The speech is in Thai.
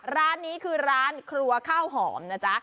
ร้านนี้คือร้านครัวข้าวหอมนะจ๊ะ